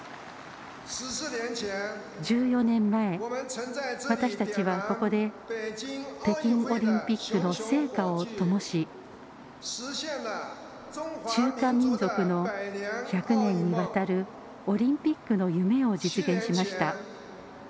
１４年前私たちはここで北京オリンピックの聖火をともし中華民族の１００年にわたるオリンピックの夢を実現しました。